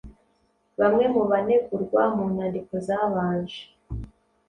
Bamwe mu banegurwa mu nyandiko zabanje